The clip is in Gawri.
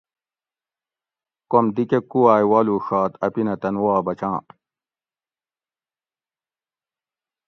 کوم دی کٞہ کووائے والوݭات اپینہ تن وا بچاں